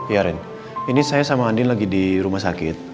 iya ren ini saya sama andi lagi di rumah sakit